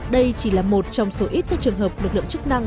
đây chỉ là một trong số ít các trường hợp lực lượng chức năng